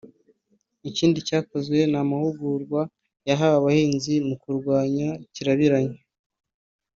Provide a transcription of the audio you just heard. Ikindi cyakozwe ni amahugurwa yahawe abahinzi mu kurwanya kirabiranya